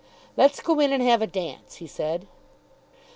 "Let's go in and have a dance," he said.